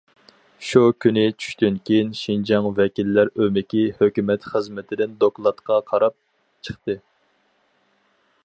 شۇ كۈنى چۈشتىن كېيىن، شىنجاڭ ۋەكىللەر ئۆمىكى ھۆكۈمەت خىزمىتىدىن دوكلاتقا قاراپ چىقتى.